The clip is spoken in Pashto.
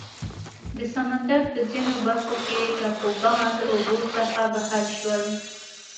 د سمندر په ځینو برخو کې ټاپوګان له اوبو څخه بهر شول.